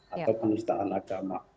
atau penistaan agama